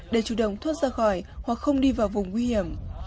để chủ động thoát ra khỏi hoặc không đi vào vùng nguy hiểm